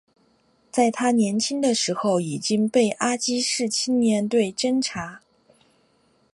在他年轻的时候已被阿积士青年队侦察。